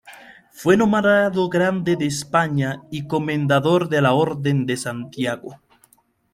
Fue nombrado grande de España y comendador de la Orden de Santiago.